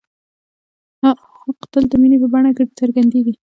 حق تل د مینې په بڼه څرګندېږي.